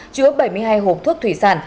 chứa bảy mươi hai hộp thuốc thủy sản